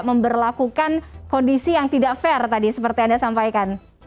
memperlakukan kondisi yang tidak fair tadi seperti anda sampaikan